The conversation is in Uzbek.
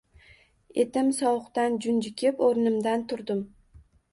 Etim sovuqdan junjikib, o`rnimdan turdim